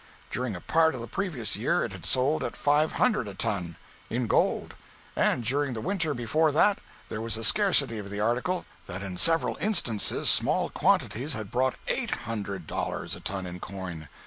During a part of the previous year it had sold at five hundred a ton, in gold, and during the winter before that there was such scarcity of the article that in several instances small quantities had brought eight hundred dollars a ton in coin!